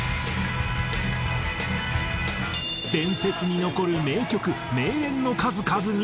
伝説に残る名曲名演の数々に。